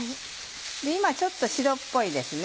今ちょっと白っぽいですね。